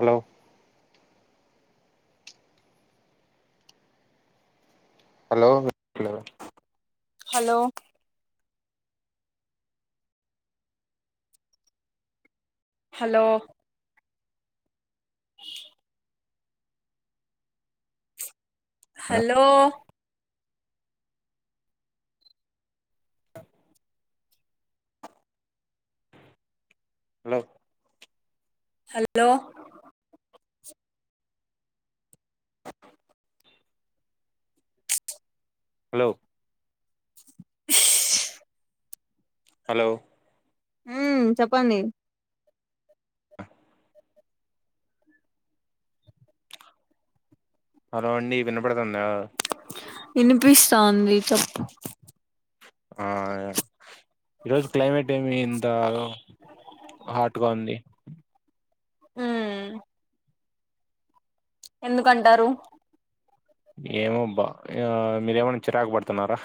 Hello hello hello hello hello అ hello hello hello hello hello హ్మ్ చెప్పండి hello అండి వినపడుతుంద ఇనిపిస్తాంది చెప్పు ఆ ఈ రోజు క్లైమేట్ ఏమి ఇంత హాట్గా ఉంది మ్మ్ ఎందుకంటారు ఏమో బా మీరేమన్నా చిరాకు పడుతున్నారా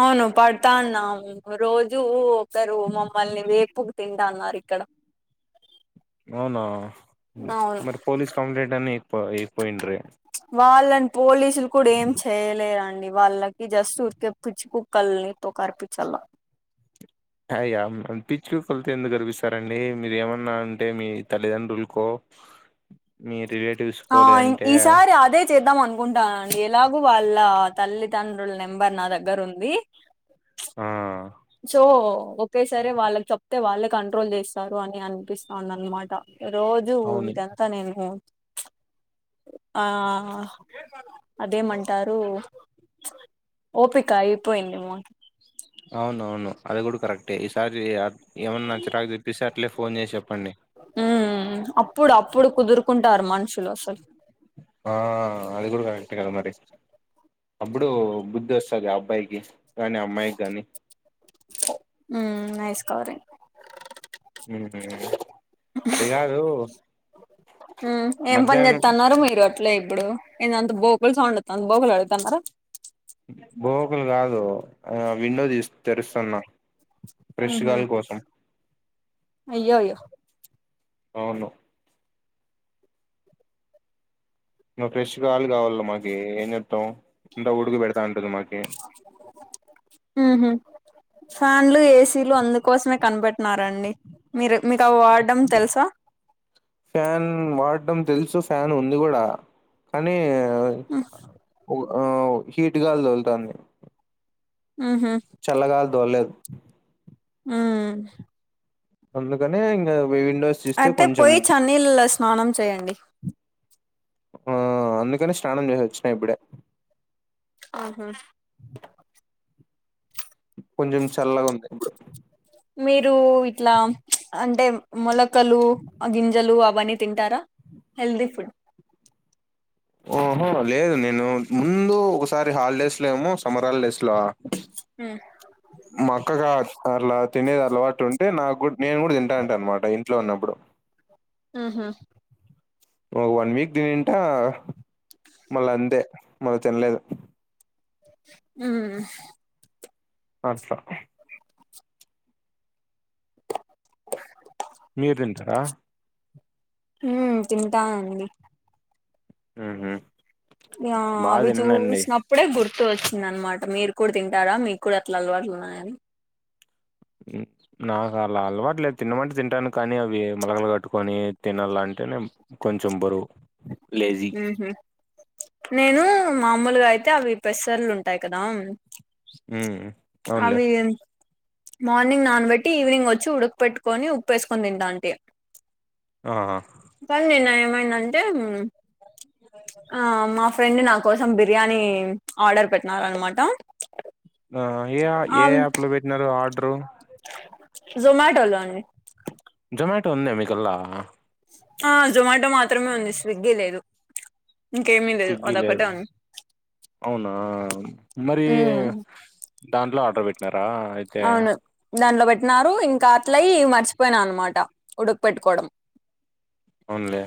అవును పడతాన్నామ్ రోజు ఒకరు మమ్మల్ని వేపుకు తింటా అన్నారు ఇక్కడ అవునా అవును మరి పోలీస్ కంప్లైంట్ అయిన ఇపో ఇపోయిండ్రే వాళ్ళని పోలీసులు కూడా ఏం చేయలేరండి వాళ్ళకి ఈ జస్ట్ ఊర్కే పిచ్చి కుక్కల్ని తో కరిపిచ్చాలా అయా పిచ్చి కుక్కల్తో ఎందుకు కరిపిస్తారండి మీరు ఏమన్నా అంటే మీ తల్లిదండ్రుల్కో మీ రిలేటివ్స్ ఆ లేదంటే ఈసారి అదే చేద్దాం అనుకుంటానండి ఎలాగూ వాళ్ళ తల్లి తండ్రుల్ నెంబర్ నా దగ్గర ఉంది ఆ సో ఒకే సారి వాళ్ళకి చెప్తే వాళ్ళే కంట్రోల్ చేస్తారు అని అనిపిస్తాంది అనమాట రోజు అవును ఉంటే అంత నేను ఆ అదేమంటారు ఓపిక అయిపోయింది ఇమ్మ అవునవును అది కూడా కరెక్టే ఈసారి ఏమన్నా చిరాకు తెప్పేస్తే అట్లే ఫోన్ చేసి చెప్పండి ఉమ్ అప్పుడు అప్పుడు కుదురుకుంటారు మనుషులు అసలు ఆ అది కూడా కరెక్టే కదా మరి అప్పుడు బుద్ధి వస్తది ఆ అబ్బాయికి కానీ ఆ అమ్మాయికి గాని ఉమ్ నైస్కవరీ మ్ హు అది కాదు మ్ ఏం పని మధ్యాహ్నం చెత్తన్నారు మీరు అట్లే ఇప్పుడు ఇదంత బోకులు సౌండ్ వత్తంది బోకులు కడుగుతన్నారా బోకులు కాదు ఆ విండో తీస్ తెరుస్తున్నా ప్రెష్ ఉహు గాలి కోసం అయ్యో అయ్యో అవును నువ్ ఫ్రెష్ కాలు కావాలలో మాకి ఏం చెప్తాం ఇంత ఉడుకు పెడతా ఉంటది మాకి ఉ హు ఫ్యాన్లు ఏసీలు అందుకోసమే కనిపెట్టినారండి మీరు మీకు అవి వాడడం తెలుసా ఫ్యాన్ వాడటం తెలుసు ఫ్యాన్ ఉంది కూడా కానీ హిటు గాలి తగులుతది ఆహా చల్లగాలి దొరలేదు ఉ అందుకనే ఇగ విండోస్ తీస్తే అయితే కొంచెం పోయి చన్నీల స్నానం చేయండి ఆ అందుకని స్నానం చేసి వచ్చిన ఇప్పుడే ఆహా ఉ కొంచెం చల్లగా ఉంది ఇప్పుడు మీరు ఇట్లా అంటే మొలకలు గింజలు అవన్నీ తింటారా హెల్ది ఫుడ్ ఓహా లేదు నేను ముందు ఒకసారి హాలిడేస్ లో ఏమో సమ్మర్ హాలిడేస్ ల ఉమ్ మా అక్క కా అట్లా తినేది అలవాటు ఉంటే నాకు నేను కూడా తింటాంట అనమాట ఇంట్లో ఉన్నప్పుడు ఆహా వన్ వీక్ తింటా మళ్ళీ అంతే మళ్ళ తినలేదు ఉ ఆట్ల ఆ మీరు తింటారా ఉ తింటానండి ఉహు బాగా ఇగ తిననండి చూసినప్పుడు ఇప్పుడే గుర్తు వచ్చింద అనమాట మీరు కూడా తింటారా మీకు కూడా అట్లా అలవాట్లు ఉన్నాయని నాకు అలా అలవాటు లేదు తినమంట తింటాను కానీ అవి మొలకలు కట్టుకొని తినాల అంటేనే కొంచెం బరువు లేజీ నేను మామూలుగా అయితే అవి పెసర్లు ఉంటాయి కదా ఉ అవునులే అవి ఎంత మార్నింగ్ నానబట్టి ఈవినింగ్ వచ్చి ఉడక పెట్టుకొని ఉప్పువేసుకొని తింటానండి ఆహా పని నిను ఏమైనాంటే ఆ మాఫ ఫ్రెండ్ నా కోసం బిర్యానీ ఆర్డర్ పెట్టినార అనమాట ఏ ఏ యాప్ లో పెట్టినారు ఆర్డరు జోమాటోలో అండి జొమ్యాటో అంద మీకల ఆ జొమాటో మాత్రమే ఉంది స్విగ్గీ లేదు ఇంకేమీ స్విగ్గి అదొక్కటే లేదు ఉంది అవునా మరి ఉమ్, దాంట్లో ఆర్డర్ పెట్టినారా అయితే అవును దాంట్లో పెట్టినారు ఇంకా అట్లయి మర్చిపోయిన అన్నమాట ఉడకు పెట్టుకోవడం ఉన్లే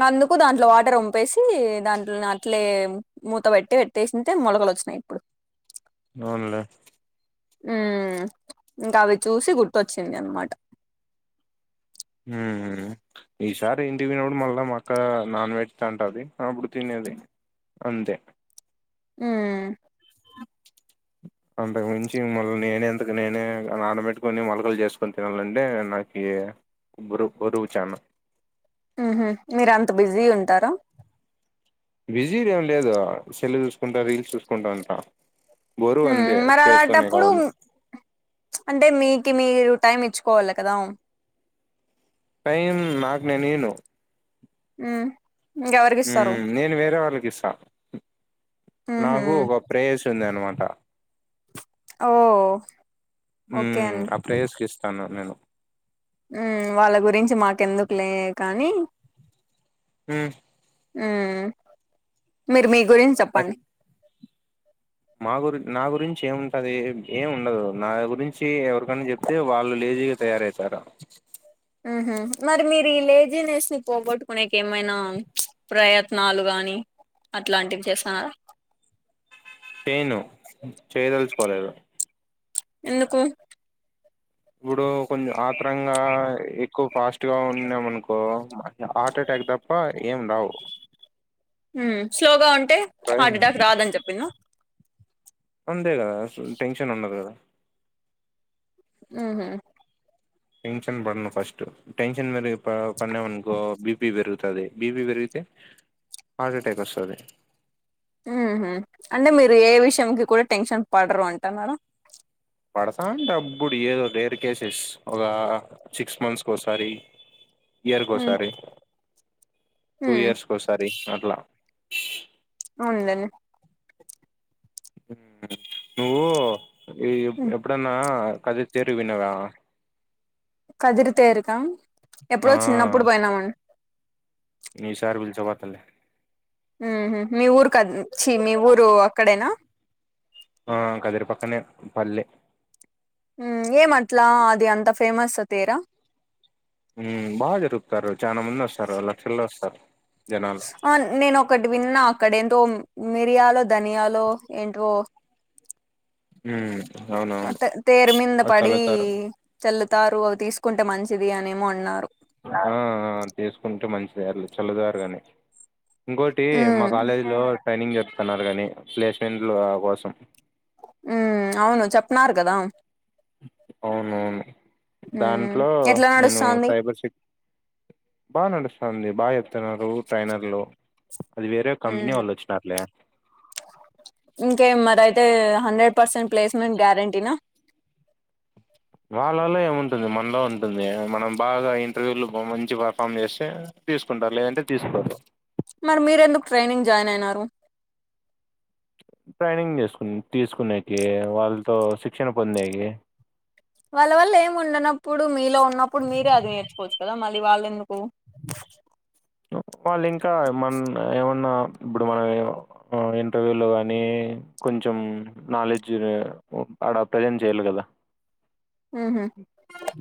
నందుకు దాంట్లో వాటర్ వంపేసి దాంట్లో నట్లేమ్ మూతబట్టి పెట్టేసి ఉంటే మొలకలు వచ్చినయి ఇప్పుడు నూనెలే ఉ ఇంకా అవి చూసి గుర్తొచ్చింది అన్నమాట ఉహ ఈసారి ఇంటి దేవుడు మల్ల మా అక్క నాన్ వెజ్ తింటది అప్పుడు తినేది అంతే ఉ అంతకుమించి మళ్లీ నేనే అంతకు నేనే నానబెట్టుకొని మొలకలు చేసుకొని తినాలంటే నాకు బురు బురువు ఛానల్ ఉహ మీరంతా బిజీ ఉంటారు బిజీ ఏం లేదు సెల్ చూసుకుంటా రీల్స్ చూసుకుంటా ఉంటా బోరు ఉమ్ అంతే మరి చేసుకునే అలాంటప్పుడు కావాలి అంటే మీకు మీరు టైం ఇచ్చుకోవాలే కదా టైం నాకు నేను ఇను హ్మ్ ఇంకెవరికి ఉ ఇస్తారు నేను వేరే వాళ్ళకి ఇస్తా ఉహ ఓ ఒ ప్రేయసి ఉందన్నమాట ఓ ఉ నా ప్రయసికిస్తాను నేను ఉ వాళ్ల గురించి మాకెందుకులే కానీ ఉ ఉ మీరు మీ గురించి మరి చెప్పండి మా గురి నా గురించి ఏముంటది ఏమి ఉండదు నా గురించి ఎవరికైనా చెప్పు తే వాళ్లు లేజీగా తయారవుతారు ఉహ మరి మీరు ఈ లేజీనెస్ పోగొట్టుకునేకు ఏమైనా ప్రయత్నాలు గాని అట్లాంటివి చేస్తున్నారా నేను చేయదలుచుకోలేదు ఎందుకు ఇప్పుడు కొంచెం ఆత్రరంగ ఆ ఎక్కువ ఫాస్ట్ గా ఉన్నాం అనుకో హార్ట్ ఎటాక్ తప్ప ఏం రావు ఉం స్లోగా ఉంటే హార్ట్ ఎటాక్ రాదని చెప్పిన అంతే కదా అసలు టెన్షన్ ఉండదు కదా ఉహ టెన్షన్ బడను ఫస్ట టెన్షన్ మీద పన్నామనుకో బిపి పెరుగుతుంది బిపి పెరిగితే హార్ట్ అటాక్ వస్తుంది ఉహ అంటే మీరు ఏ విషయం కి కూడా టెన్షన్ పడరు అంటున్నారు పడుతాంట అప్పుడు ఏదో డేర్ కేసెస్ ఒక సిక్స్ మంత్స్ కోసారి ఇయర్ హ్మ్. ఒకసారి టూ హ్మ్. ఇయర్స్ కి ఒకసారి అట్లా ఉండని నువ్వు హ్మ్. ఎప్పుడన్నా కథ చేరి విన్నావా కదిరి తేరుక ఆ ఎప్పుడో చిన్నప్పుడు బోయినామన్ మీ షార్ బిల్ చ బోతలే ఊహు మీ ఊరు కద్ చీ మీ ఊరు అక్కడేనా ఆ కదిరి పక్కనే పల్లె ఉమ్ ఏమట్లా అది అంత ఫేమస్ అ తేరా ఉమ్ బా జరుప్తారు చానా మంద్ ఒస్తారు లక్షల్లో ఒస్తారు జనాలు అన్ నేనొకటి విన్నా అక్కడ ఏంతోం మిరియాలో ధనియాలో ఏంటివో ఊమ్ అవును అ తె తేరు మీంద పడి చల్లుతారు అవి తీసుకుంటే మంచిది అనేమో అన్నారు ఆ ఆ అ తీసుకుంటే మంచిదె ఎర్లి చల్లదారుగనే ఇంకోటి ఉమ్ మా కాలేజ్ లో ట్రైనింగ్ జరుపుతున్నారు కగనీ ప్లేస్మెంట్లు అ కోసం ఊమ్ అవును చెప్పన్నారు గదా అవునవును ఉమ్ దాంట్లో ఎట్లా నేను నడుస్తాంది సైబర్ సెక్ బా నడుస్తంది బా ఎప్తున్నారు ట్రైనర్లు అది వేరే కంపెనీ వాళ్ ఒచ్చిన్నారులే ఇంకే మరయితే హండ్రెడ్ పర్సెంట్ ప్లేస్మెంట్ గ్యారంటీనా వాళ్ళలో ఏముంటుంది మనలో ఉంటుంద్య మనం బాగా ఇంటర్వ్యూలు బొ మంచి పర్ఫామ్ చేస్తే తీసుకుంటారు లేదంటే తీసుకోరు మరి మీర్ ఎందుక్ ట్రైనింగ్ జాయిన్ అయినారు ట్రైనింగ్ చేసుకు తీసుకునేకి వాళ్ళతో శిక్షణ పొందేకి వాళ్ళ వల్ ఏం ఉండనప్పుడు మీలో ఉన్నప్పుడు మీరే అది నేర్చుకోవచ్చు కదా మళ్ళీ వాళ్ ఎందుకు ఒ వాళ్ ఇంకా ఏమన్ ఏమన్నా ఇప్పుడు మనమే వ్ అ ఇంటర్వ్యూలో గానీ కొంచెం నాలెడ్జ్ ఉ ఆడ ప్రజెంట్ చేయ్యాలి కదా ఉహు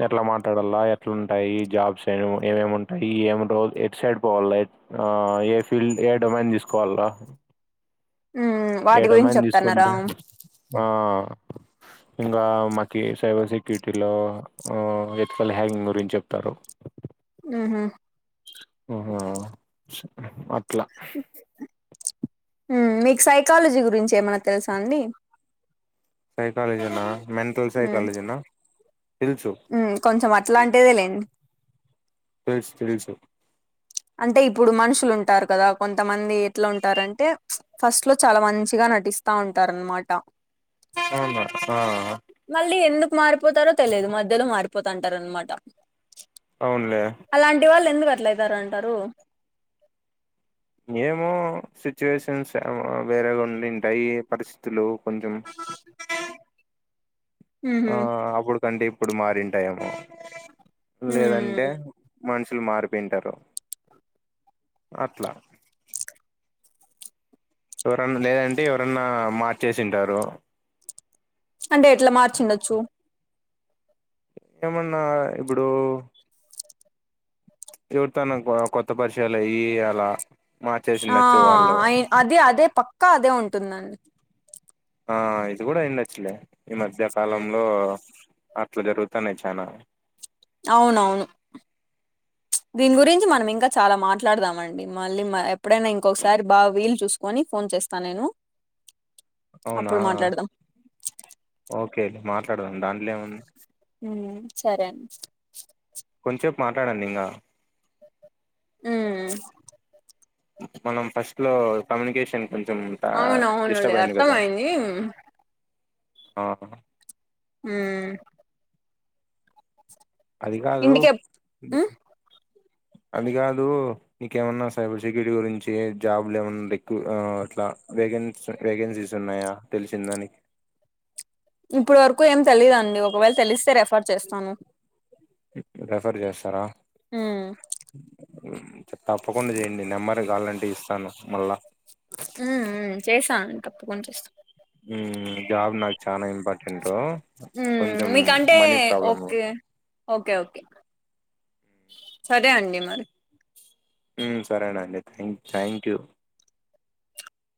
ఎట్లా మాట్లాడాల ఎట్లుంటాయి జాబ్స్ ఏ ఒ ఏమేమింటాయి ఏం రో ఎట్ సైడ్ పోవాల ఎత్ ఆ ఏ ఫీల్డ్ ఏ డోమాండ్ తీసుకోవాల ఉమ్ వాటి గురించి ఏడోమైన్ చెప్తన్నారా తీసుకుంటె ఆ ఇంగా మాకి సైబ సి కీటీలో ఆ ఎత్ ఫల్ హ్యాంగ్ గురించ్ చెప్తారు న హ అహా అట్లా మ్ మీక్ సైకాలజీ గురించి ఏమైనా తెలుసా అండి సైకాలజీనా మెంటల్ సైకాలజీనా తెల్సు ఊమ్ కొంచెం అట్లా అంటేదే లేండి తెల్స్ తెలుసు అంటే ఇప్పుడు మనుషులుంటారు కదా కొంతమంది ఎట్లా ఉంటారంటే ఫస్ట్ లో చాలా మంచిగా నటిస్తా ఉంటారన్మాట అవ్నా ఆ మళ్ళీ ఎందుకు మారిపోతారో తెలేదు మధ్యలో మారిపోతంటారన్మాట అవునులే అలాంటి వాళ్ ఎందుకట్లయితారంటారు ఏమో సిచ్యువేషన్స్ ఏమో వేరేగ్ ఉండి ఉంటాయి పరిస్థితులు కొంచెం అ ఆ అప్పుడుకంటే ఇప్పుడు మరింటాయి ఏమో ఉమ్ లేదంటే మనుషులు మారిపోయింటారు అట్లా ఎవరన్నా లేదంటే ఎవరన్నా మార్చేసింటారు అంటే ఎట్లా మార్చిండచ్చు ఏమన్నా ఇప్పుడు ఎవరితోయిన కొత్త పరిచయాలు అయి అలా మార్చిసిండచు వాళ్ళు అది అదే పక్కా అదే ఉంటుందండి ఆ ఇది కూడా అయిండచ్చులే ఈ మధ్య ఉ కాలంలో అట్లా జరుగుతనయి చనా అవునవును దీని గురించి మనం ఇంకా చాలా మాట్లాడదాం అండి మళ్ళీ ఎప్పుడైనా ఇంకొకసారి బాగా వీలు చూసు కొని ఫోన్ చేస్తా నేను అవునా అప్పుడు మాట్లాడదాం ఓకేండి మాట్లాడదాం దాంట్లో ఏముంది ఉమ్మ్ సరే అండి కొంచెపు మాట్లాడండి ఇంగ ఉమ్మ్ మనం ఫస్ట్లో కమ్యూనికేషన్ కొంచెం అవునవునులే డిస్టర్బ్ అయింది కదా అర్థమయింది ఆ హుమ్మ్ అది కాదు ఇంటికి ఎప్- ఉమ్, అది కాదు నీకేమన్నా సైబర్ సెక్యూరిటీ గురించి జాబులు ఏమన్నా ర అట్లా వేగం వేకెన్సీస్ ఉన్నాయా తెలిసిందా నీకు ఇప్పుడు వరకు ఏం తెలీయదండి ఒకవేళ తెలిస్తే రెఫర్ చేస్తాను రెఫర్ చేస్తారా ఉమ్మ్ తప్పకుండా చేయండి నెంబర్ కావాలంటే ఇస్తాను మళ్ళా ఉమ్ ఉమ్ చేస్తా అండి తప్పకుండా చేస్తా ఉమ్మ్ జాబ్ నాకు చాల ఇంపార్టెంట్ ఉమ్ కొంచెం మీకంటే మనీ ప్రాబ్లమ్ ఉ ఓకే ఓకే ఓకే సరే అండి మరి ఉమ్మ్ సరేనండి థ్యాంక్ థ్యాంక్ యూ